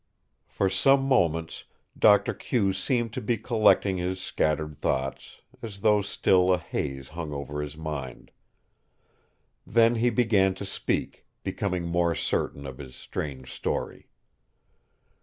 For some moments Doctor Q seemed to be collecting his scattered thoughts, as though still a haze hung over his mind. Then he began to speak, becoming more certain of his strange story.